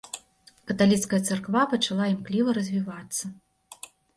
Каталіцкая царква пачала імкліва развівацца.